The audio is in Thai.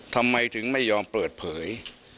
ทำไมถึงไม่ยอมเปิดเผย